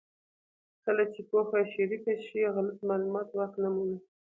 کله چې پوهه شریکه شي، غلط معلومات واک نه مومي.